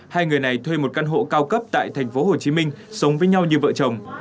hai người này thuê một căn hộ cao cấp tại thành phố hồ chí minh sống với nhau như vợ chồng